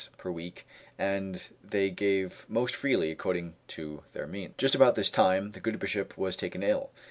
per week, and they gave most freely, according to their means. Just about this time the good Bishop was taken ill.